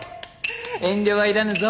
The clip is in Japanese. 遠慮はいらぬぞ。